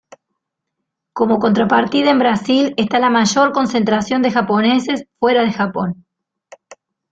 Como contrapartida en Brasil está la mayor concentración de japoneses fuera de Japón.